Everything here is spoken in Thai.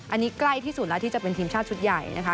อันนี้ใกล้ที่สุดแล้วที่จะเป็นทีมชาติชุดใหญ่นะคะ